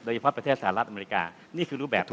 โดยเฉพาะประเทศสหรัฐอเมริกานี่คือรูปแบบ